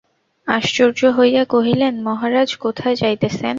আশ্চর্য হইয়া কহিলেন, মহারাজ, কোথায় যাইতেছেন?